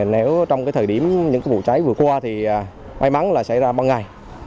nếu trong thời điểm những vụ cháy vừa qua thì may mắn là xảy ra ban ngày